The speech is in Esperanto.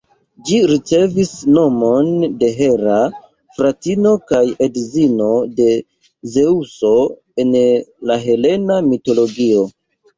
Ĝi ricevis nomon de Hera, fratino kaj edzino de Zeŭso en la helena mitologio.